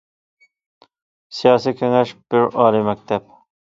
سىياسىي كېڭەش بىر ئالىي مەكتەپ.